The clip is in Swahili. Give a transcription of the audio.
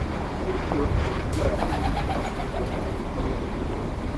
meli hiyo ilikuwa ya pili kwa ukubwa ndani ya ziwa victoria